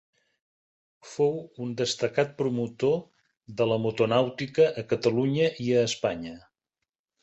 Fou un destacat promotor de la motonàutica a Catalunya i a Espanya.